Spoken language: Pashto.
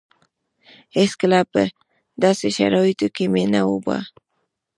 هېڅکله په داسې شرايطو کې مې نه بوه.